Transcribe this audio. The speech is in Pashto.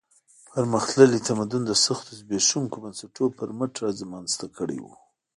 پرمختللی تمدن د سختو زبېښونکو بنسټونو پر مټ رامنځته کړی و.